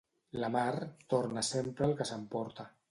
La mar torna sempre el que s'emporta.